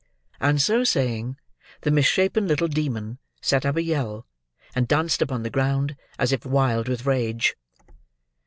And so saying, the mis shapen little demon set up a yell, and danced upon the ground, as if wild with rage.